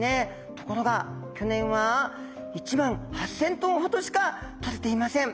ところが去年は１万８，０００ｔほどしかとれていません。